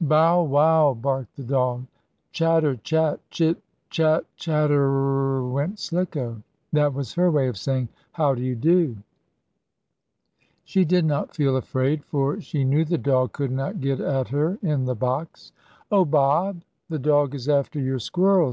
"Bow wow!" barked the dog. "Chatter chat! Chit chat chatter r r r r r r!" went Slicko. That was her way of saying: "How do you do?" She did not feel afraid, for she knew the dog could not get at her in the box. "Oh, Bob! The dog is after your squirrel!"